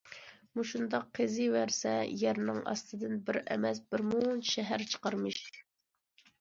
مۇشۇنداق قېزىۋەرسە يەرنىڭ ئاستىدىن بىر ئەمەس، بىر مۇنچە شەھەر چىقارمىش.